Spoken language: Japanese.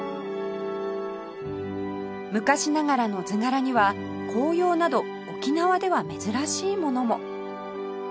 昔ながらの図柄には紅葉など沖縄では珍しいものも